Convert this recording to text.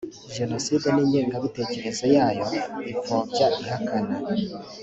jenoside n ingengabitekerezo yayo ipfobya ihakana